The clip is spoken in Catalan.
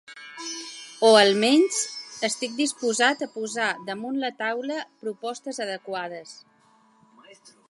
O almenys, estic disposat a posar damunt la taula propostes adequades.